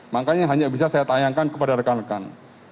makanya hanya bisa saya tayangkan kepada rekan rekan